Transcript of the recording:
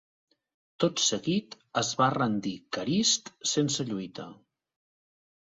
Tot seguit es va rendir Carist sense lluita.